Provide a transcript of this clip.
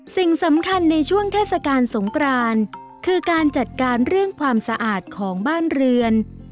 สิ่งสำคัญในช่วงเทศกาลสงกรานคือการจัดการเรื่องความสะอาดของบ้านเรือน